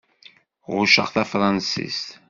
Ɣucceɣ tafṛansist.